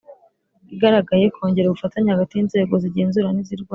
igaragaye, kongera ubufatanye hagati y’inzego zigenzura n’izirwanya